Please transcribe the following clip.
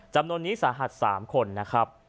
จำนวนนี้สาหัส๓คนนะครับ